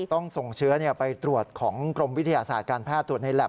ต้องส่งเชื้อไปตรวจของกรมวิทยาศาสตร์การแพทย์ตรวจในแบ็